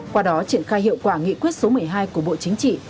qua đó triển khai hiệu quả nghị quyết số một mươi hai của bộ chính trị